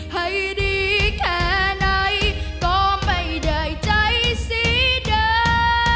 ให้ดีแค่ไหนก็ไม่ได้ใจสีเด้อ